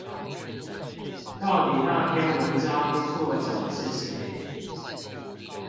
到底那篇文章作者是誰？